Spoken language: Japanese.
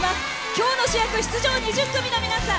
今日の主役、出場２０組の皆さん。